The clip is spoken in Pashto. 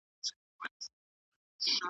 لکه پتڼ درته سوځېږمه بلبل نه یمه ,